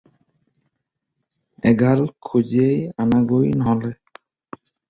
এগাল খুজিয়েই আনাগৈ নহ'লে।